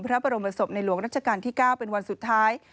พระบรมศพในหลวงรัชกาลที่๙เป็นวันสุดท้าย